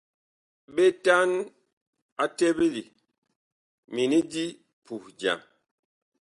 Ɓetan a teɓeli mini di puh jam.